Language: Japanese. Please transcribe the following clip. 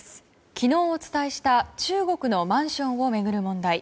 昨日お伝えした中国のマンションを巡る問題。